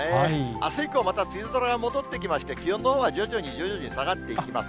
あす以降、また梅雨空が戻ってきまして、気温のほうは徐々に徐々に下がっていきます。